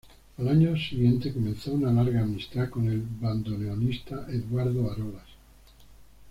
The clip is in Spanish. Al año siguiente comenzó una larga amistad con el bandoneonista Eduardo Arolas.